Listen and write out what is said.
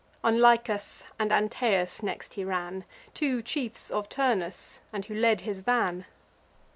On Lycas and Antaeus next he ran, Two chiefs of Turnus, and who led his van.